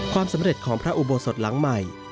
ความสำเร็จของพระอุโบสถหลังใหม่